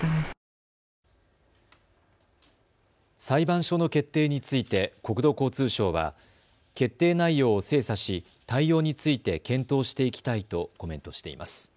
裁判所の決定について国土交通省は決定内容を精査し対応について検討していきたいとコメントしています。